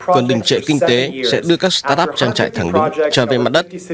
còn đình trệ kinh tế sẽ đưa các start up trang trại thẳng đứng trở về mặt đất